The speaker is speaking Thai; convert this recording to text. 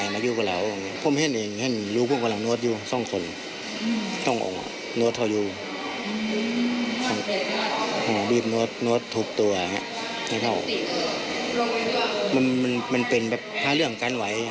มันเป็นอัดแบบภาพเรืองกันไหว